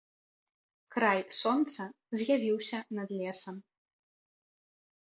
Край сонца з'явіўся над лесам.